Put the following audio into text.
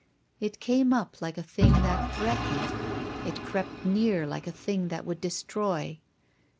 It came up like a thing that threatened. It crept near like a thing that would destroy.